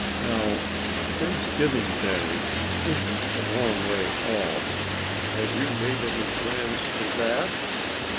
Now, Thanksgiving Day isn't a long way off. Have you made any plans for that?"